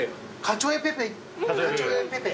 カチョエペペ。